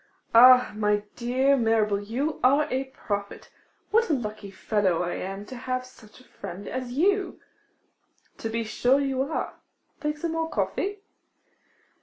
'Ah, my dear Mirabel, you are a prophet! What a lucky fellow I am to have such a friend as you!' 'To be sure you are. Take some more coffee.